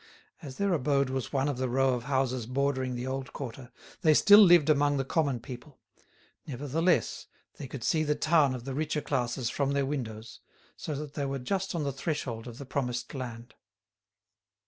As their abode was one of the row of houses bordering the old quarter, they still lived among the common people; nevertheless, they could see the town of the richer classes from their windows, so that they were just on the threshold of the promised land.